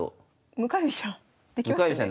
向かい飛車できましたね。